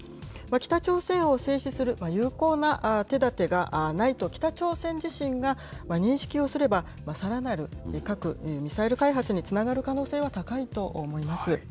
北朝鮮を制止する有効な手立てがないと、北朝鮮自身が認識をすれば、さらなる核・ミサイル開発につながる可能性は高いと思います。